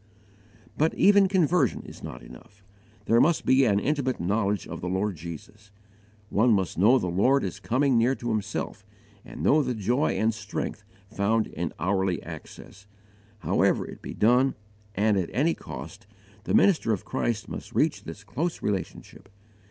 But even conversion is not enough: there must be an intimate knowledge of the Lord Jesus. One must know the Lord as coming near to himself, and know the joy and strength found in hourly access. However it be done, and at any cost, the minister of Christ must reach this close relationship.